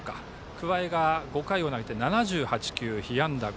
桑江が５回を投げて７８球、被安打５。